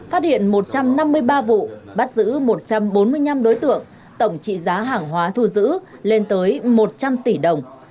phát hiện một trăm năm mươi ba vụ bắt giữ một trăm bốn mươi năm đối tượng tổng trị giá hàng hóa thu giữ lên tới một trăm linh tỷ đồng